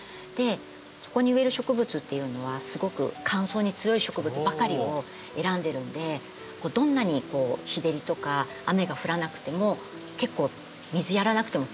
そこに植える植物っていうのはすごく乾燥に強い植物ばかりを選んでるんでどんなに日照りとか雨が降らなくても結構水やらなくても耐えてくれるんですよ。